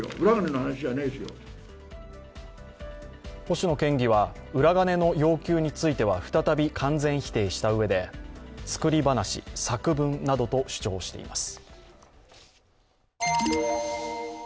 星野県議は裏金の要求については再び完全否定したうえで作り話、作文などと主張しています